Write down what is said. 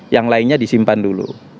yang lainnya disimpan dulu